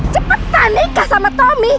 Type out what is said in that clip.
cepetan nikah sama tommy